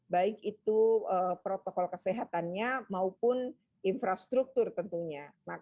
baik itu protokol kesehatannya maupun infrastruktur tentunya